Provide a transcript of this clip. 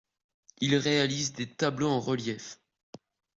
Il réalise des tableaux en relief.